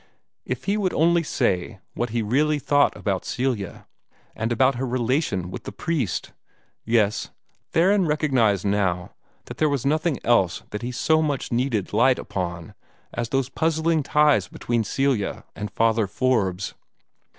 If he would only say what he really thought about Celia, and about her relations with the priest! Yes, Theron recognized now there was nothing else that he so much needed light upon as those puzzling ties between Celia and Father Forbes.